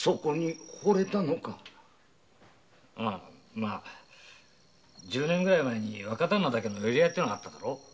まあ１０年前に若旦那だけの寄り合いがあっただろ。